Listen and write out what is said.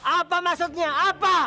apa maksudnya apa